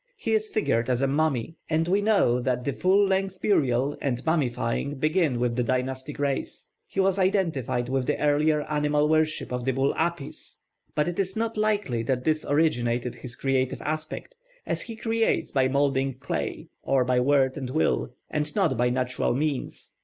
He is figured as a mummy; and we know that full length burial and mummifying begin with the dynastic race. He was identified with the earlier animal worship of the bull Apis; but it is not likely that this originated his creative aspect, as he creates by moulding clay, or by word and will, and not by natural means.